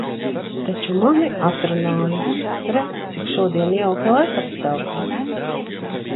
Taču mani atrunāja. Re, cik šodien jauki laikapstākļi!